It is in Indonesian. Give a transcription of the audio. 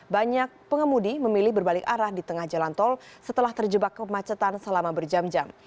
banyak pengemudi memilih berbalik arah di tengah jalan tol setelah terjebak kemacetan selama berjam jam